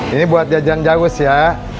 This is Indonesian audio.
ini buat jajan jauh ya